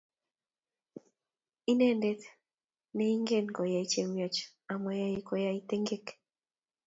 Inendet neingen koyai chemiach amoyoei, ko yoei tengek